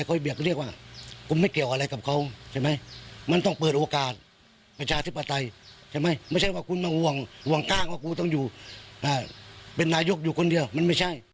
ของความเป็นเพื่อนตัดสิน